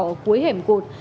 ở cuối hẻm cột